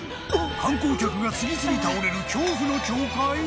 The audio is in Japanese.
観光客が次々倒れる恐怖の教会？